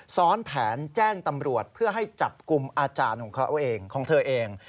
ซ้อนแผนแจ้งตำรวจเพื่อให้จับกลุ่มอาจารย์ของเขาเองของเธอเอง